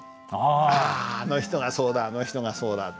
ああの人がそうだあの人がそうだって。